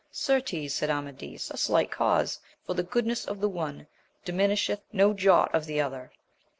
Certes, said Amadis, a slight cause ! for the goodness of the one diminisheth no jot of the other.